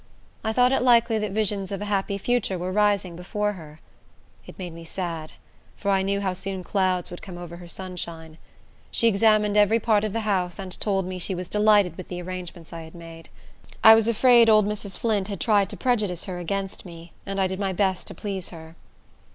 I thought it likely that visions of a happy future were rising before her. It made me sad; for I knew how soon clouds would come over her sunshine. She examined every part of the house, and told me she was delighted with the arrangements I had made. I was afraid old Mrs. Flint had tried to prejudice her against me, and I did my best to please her.